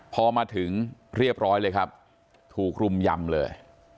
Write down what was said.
พอมาถึงเรียบร้อยเลยครับถูกรุมยำเลย